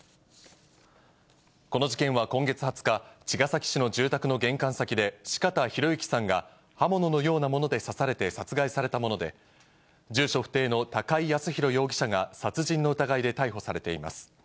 この事件は今月２０日、茅ヶ崎市の住宅の玄関先で、四方洋行さんが刃物のようなもので刺されて殺害されたもので、住所不定の高井靖弘容疑者が殺人の疑いで逮捕されています。